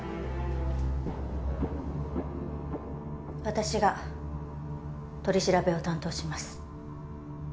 私が取り調べを担当します。